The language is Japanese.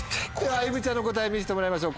あゆむちゃんの答え見せてもらいましょう。